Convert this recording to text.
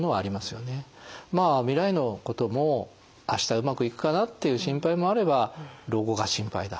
まあ未来のことも明日うまくいくかなっていう心配もあれば老後が心配だ